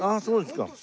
そうですか。